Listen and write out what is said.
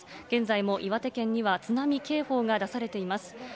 現在も岩手県には津波警報が出されています。